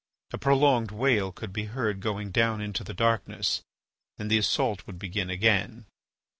A prolonged wail would be heard going down into the darkness, and the assault would begin again.